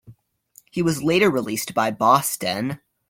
He was later released by Boston.